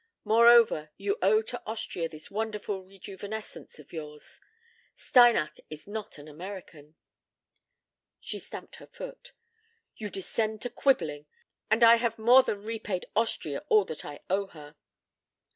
Moreover, you owe to Austria this wonderful rejuvenescence of yours. Steinach is not an American." She stamped her foot. "You descend to quibbling. And I have more than repaid Austria all that I owe her."